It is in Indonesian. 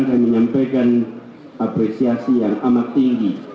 saya menyampaikan apresiasi yang amat tinggi